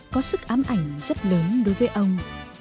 có sức ám ảnh rất lớn đối với ông